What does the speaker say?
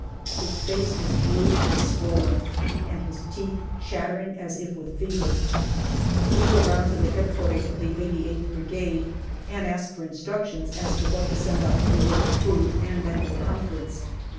His face is blue and swollen, and his teeth chattering as if with fever. We go round to the H.Q. of the 88th Brigade and ask for instructions as to what to send up in the way oi food and medical comforts.